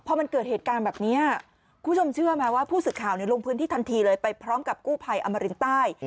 พอมันเกิดเหตุการณ์แบบนี้คุณผู้ชมเชื่อไหมว่าผู้สื่อข่าวลงพื้นที่ทันทีเลยไปพร้อมกับกู้ภัยอมรินใต้